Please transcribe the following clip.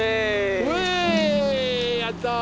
やった！